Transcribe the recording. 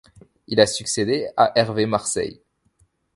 Il a succédé à Hervé Marseille.